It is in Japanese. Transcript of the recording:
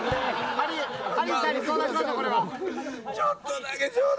ハリーさんに相談しましょう。